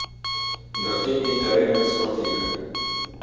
Ndertimi i tereneve sportive